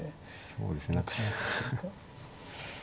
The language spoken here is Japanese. そうですね何か。